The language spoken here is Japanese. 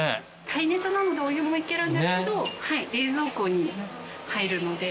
耐熱なのでお湯もいけるんですけど冷蔵庫に入るので。